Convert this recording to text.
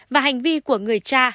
và hành vi của người cha